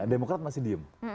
demokrat masih diem